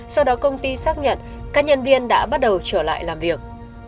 sau đó công ty xác nhận các nhân viên đã bắt đầu trở lại làm việc